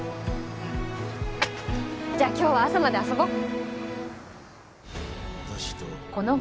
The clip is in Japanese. じゃあ今日は朝まで遊ぼう。